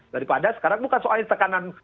daripada sekarang bukan soal tekanan